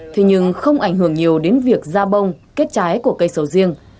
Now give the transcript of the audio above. thế nhưng không ảnh hưởng nhiều đến việc ra bông kết trái của cây sầu riêng